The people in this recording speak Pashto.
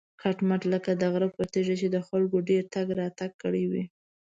کټ مټ لکه د غره پر تیږه چې خلکو ډېر تګ راتګ کړی وي.